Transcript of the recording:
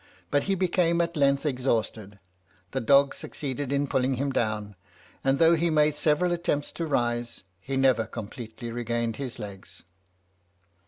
But he became at length exhausted the dogs succeeded in pulling him down; and though he made several attempts to rise, he never completely regained his legs.